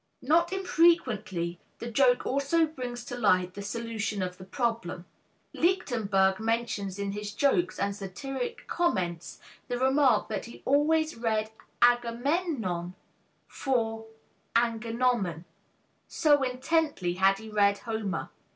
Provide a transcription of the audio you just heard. Not infrequently the joke also brings to light the solution of the problem. Lichtenberg mentions in his jokes and satiric comments the remark that he always read "Agamemnon" for "angenommen," so intently had he read Homer.